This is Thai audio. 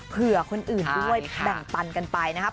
เผื่อคนอื่นด้วยแบ่งปันกันไปนะครับ